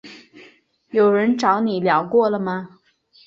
有人找你聊过了吗？